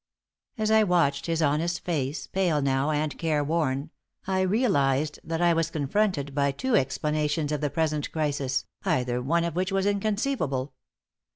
As I watched his honest face, pale now and careworn, I realized that I was confronted by two explanations of the present crisis, either one of which was inconceivable.